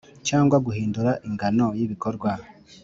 Cyangwa guhindura ingano y ibikorwa